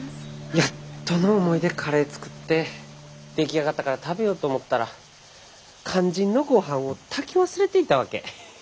やっとの思いでカレー作って出来上がったから食べようと思ったら肝心のごはんを炊き忘れていたわけ。